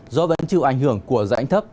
gió vẫn chịu ảnh hưởng của dãnh thấp